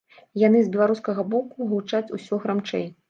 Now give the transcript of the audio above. Яны з беларускага боку гучаць усё грамчэй.